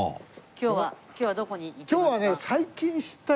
今日はどこに行きますか？